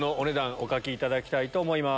お書きいただきたいと思います。